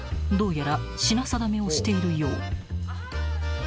［どうやら品定めをしているよう］